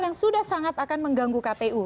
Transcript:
yang sudah sangat akan mengganggu kpu